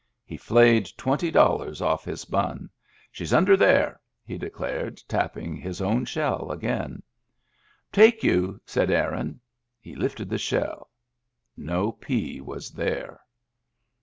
He flayed twenty dollars oflF his bun. " She's under there," he declared, tapping his own shell again. " Take you," said Aaron. He lifted the shell. No pea was there